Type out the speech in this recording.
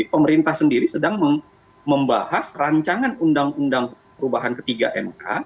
pemerintah sendiri sedang membahas rancangan undang undang perubahan ketiga mk